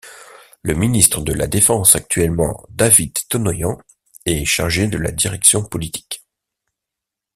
Le ministre de la Défense, actuellement Davit Tonoyan, est chargé de la direction politique.